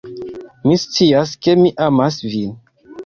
Mi scias ke mi amas vin.